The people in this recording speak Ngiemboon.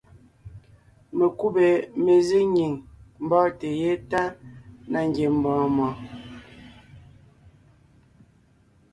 Mekúbè mezíŋ nyìŋ mbɔ́ɔnte yétana ngiembɔɔn mɔɔn.